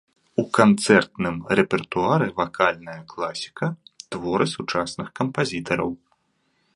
У канцэртным рэпертуары вакальная класіка, творы сучасных кампазітараў.